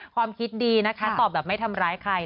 ความคิดดีนะคะตอบแบบไม่ทำร้ายใคร